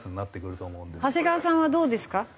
長谷川さんはどうですか？